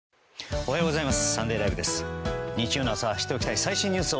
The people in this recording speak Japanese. おはようございます。